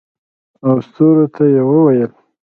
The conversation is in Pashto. او ستورو ته یې وویل